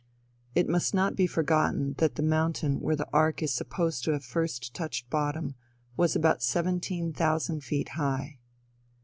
It must not be forgotten that the mountain where the ark is supposed to have first touched bottom, was about seventeen thousand feet high.